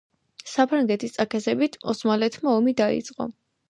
საფრანგეთის წაქეზებით ოსმალეთმა ომი დაიწყო.